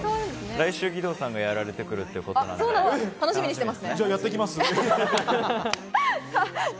来週、義堂さんがやるということなので、楽しみにしています。